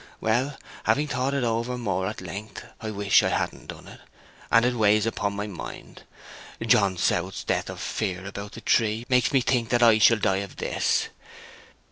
Well, having thought it over more at length, I wish I hadn't done it; and it weighs upon my mind. John South's death of fear about the tree makes me think that I shall die of this....